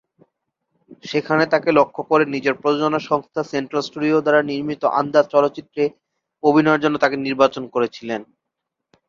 সেখানে তাঁকে লক্ষ্য করে নিজের প্রযোজনা সংস্থা সেন্ট্রাল স্টুডিও দ্বারা নির্মিত "আন্দাজ" চলচ্চিত্রে অভিনয়ের জন্য তাঁকে নির্বাচন করেছিলেন।